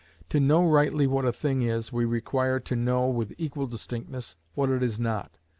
To know rightly what a thing is, we require to know, with equal distinctness, what it is not.